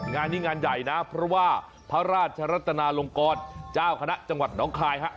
งานนี้งานใหญ่นะเพราะว่าพระราชรัตนาลงกรเจ้าคณะจังหวัดน้องคายฮะ